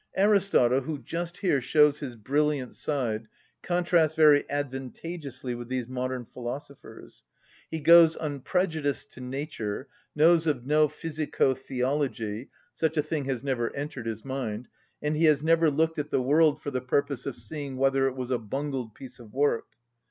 Aristotle, who just here shows his brilliant side, contrasts very advantageously with these modern philosophers. He goes unprejudiced to nature, knows of no physico‐theology—such a thing has never entered his mind,—and he has never looked at the world for the purpose of seeing whether it was a bungled piece of work.